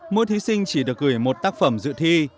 mỗi thí sinh chỉ được gửi một tác phẩm dự thi